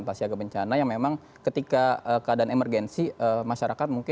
passiaga bencana yang memang ketika keadaan emergensi masyarakat mungkin